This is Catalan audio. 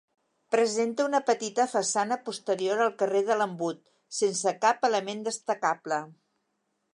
Presenta una petita façana posterior al carrer de l'Embut, sense cap element destacable.